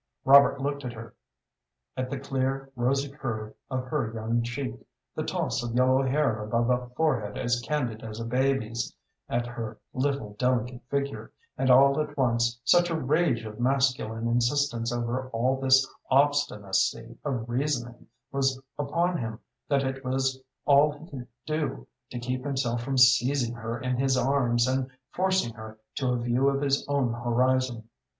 Robert looked at her, at the clear, rosy curve of her young cheek, the toss of yellow hair above a forehead as candid as a baby's, at her little, delicate figure, and all at once such a rage of masculine insistence over all this obstinacy of reasoning was upon him that it was all he could do to keep himself from seizing her in his arms and forcing her to a view of his own horizon.